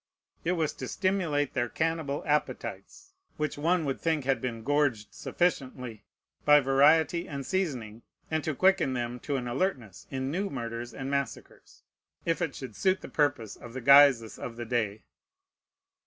It was to stimulate their cannibal appetites (which one would think had been gorged sufficiently) by variety and seasoning, and to quicken them to an alertness in new murders and massacres, if it should suit the purpose of the Guises of the day.